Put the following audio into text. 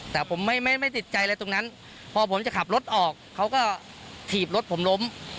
แต่ผมไม่ติดใจอะไรตรงนั้นพอผมจะขับรถออกเขาก็ถีบรถผมล้ม